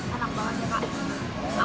kayak enak banget ya kak